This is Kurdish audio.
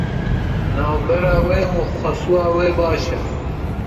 Navbera wê û xesûya wê baş e.